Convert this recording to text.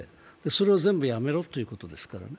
それを全部やめろというわけですから。